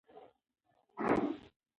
که خویندې بانکدارې وي نو پیسې به نه ورکیږي.